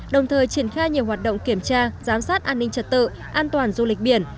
đồng thời triển khai nhiều hoạt động kiểm tra giám sát an ninh trật tự an toàn du lịch biển